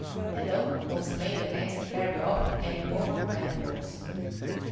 A law was made against carrying off any woman by force.